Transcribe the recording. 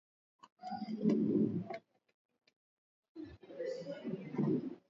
Walitoa ushahidi